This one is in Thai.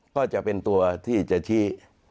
ก็จะเป็นตัวที่จะชี้